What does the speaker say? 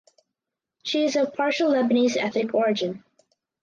She is of partial Lebanese ethnic origin.